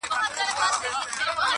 د اوبو زور یې په ژوند نه وو لیدلی.!